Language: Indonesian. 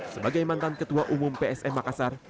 sebagai mantan ketua umum psm makassar